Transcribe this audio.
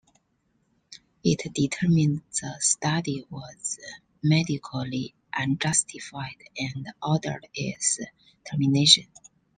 It determined the study was medically unjustified and ordered its termination.